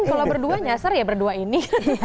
kalau berdua nyasar ya berdua ini